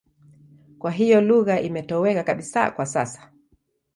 Kwa hiyo lugha imetoweka kabisa kwa sasa.